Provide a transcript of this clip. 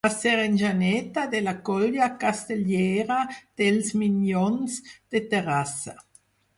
Va ser enxaneta de la colla castellera dels Minyons de Terrassa.